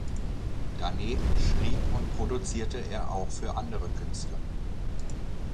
Daneben schrieb und produzierte er auch für andere Künstler.